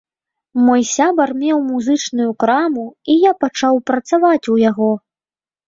Мой сябар меў музычную краму і я пачаў працаваць у яго.